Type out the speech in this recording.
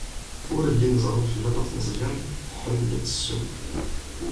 Ur llin ẓran Fella n At Meẓyan tḥemmel ad tesseww.